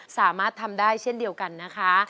สามารถทำได้เช่นเดียวกันนะคะ